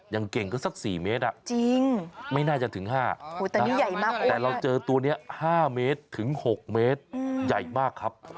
ยังเก่งก็สัก๔เมตรจริงไม่น่าจะถึง๕แต่เราเจอตัวนี้๕๖เมตรใหญ่มากครับ